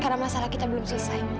karena masalah kita belum selesai